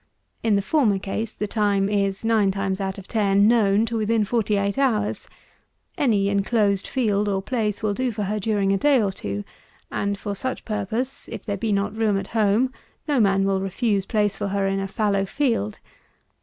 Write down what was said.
In the former case the time is, nine times out of ten, known to within forty eight hours. Any enclosed field or place will do for her during a day or two; and for such purpose, if there be not room at home, no man will refuse place for her in a fallow field.